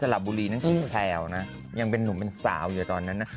หุ่นหนุ่มเป็นสาวอยู่ตอนนั้นนะ